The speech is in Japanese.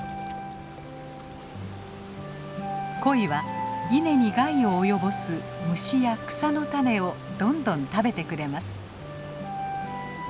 コイは稲に害を及ぼす虫や草の種をどんどん食べてくれます。